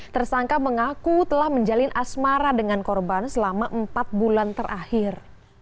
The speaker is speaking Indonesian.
tersangka mengaku telah menjalin asmara dengan korban selama empat bulan terakhir